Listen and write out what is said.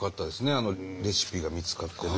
あのレシピが見つかってね。